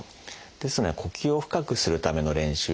ですので呼吸を深くするための練習。